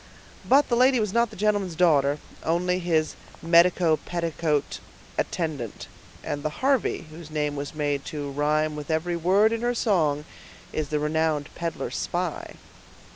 "But the lady was not the gentleman's daughter, only his medico petticoat attendant; and the Harvey, whose name was made to rime with every word in her song, is the renowned peddler spy."